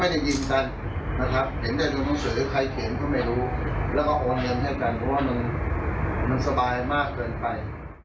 แล้วก็โอนเงินให้กันเพราะว่ามันสบายมากเกินไป